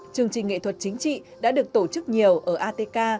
chương trình nghệ thuật chính trị đã được tổ chức nhiều ở atk